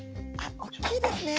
大きいですね！